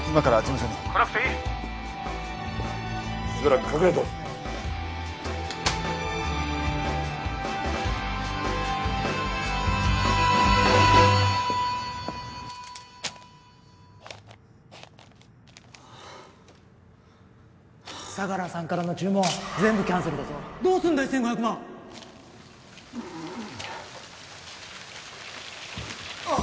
しばらく隠れてろ相良さんからの注文全部キャンセルだぞどうすんだ１５００万あッ！